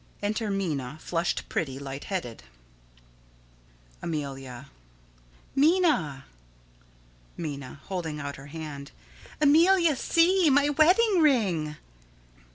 Enter Minna, flushed, pretty, light headed._] Amelia: Minna! Minna: [Holding out her hand.] Amelia, see! My wedding ring!